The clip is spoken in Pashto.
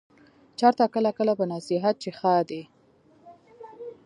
چرته کله کله په نصيب چې ښادي